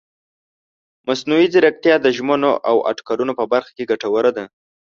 مصنوعي ځیرکتیا د ژمنو او اټکلونو په برخه کې ګټوره ده.